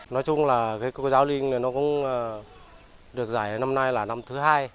nói chung là cô giáo linh nó cũng được giải năm nay là năm thứ hai